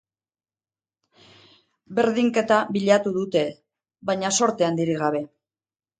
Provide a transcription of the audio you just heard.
Berdinketa bilatu dute, baina zorte handirik gabe.